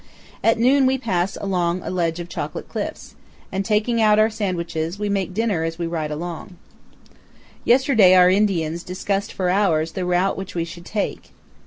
At noon we pass along a ledge of chocolate cliffs, and, taking out our sandwiches, we make a dinner as we ride along. Yesterday our Indians discussed for hours the route which we should take.